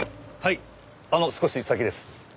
あの少し先です。